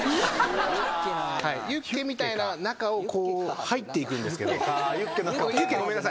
ユッケみたいな中をこう入っていくんですけど。